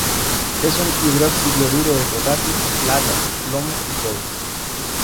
Es un hidroxi-cloruro de potasio, plata, plomo y cobre.